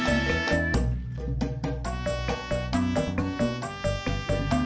tinggal lu nunggu orderan